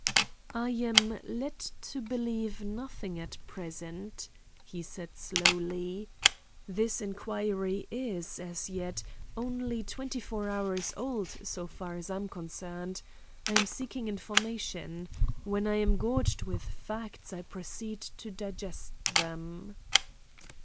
"I am led to believe nothing at present," he said slowly. "This inquiry is, as yet, only twenty four hours old so far as I am concerned. I am seeking information. When I am gorged with facts I proceed to digest them."